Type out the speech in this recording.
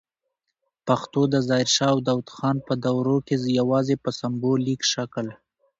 پښتو د ظاهر شاه او داود خان په دوروکي یواځې په سمبولیک شکل